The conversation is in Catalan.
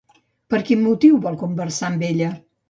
Per quin motiu vol conversar amb ella?